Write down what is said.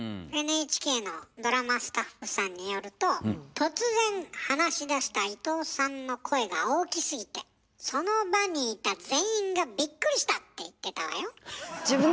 ＮＨＫのドラマスタッフさんによると突然話しだした伊藤さんの声が大きすぎてその場にいた全員がビックリしたって言ってたわよ。